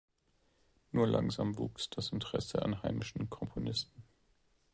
Nur langsam wuchs das Interesse an heimischen Komponisten.